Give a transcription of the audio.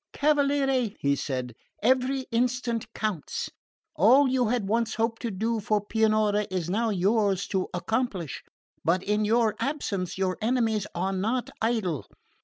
"Cavaliere," he said, "every instant counts, all you had once hoped to do for Pianura is now yours to accomplish. But in your absence your enemies are not idle.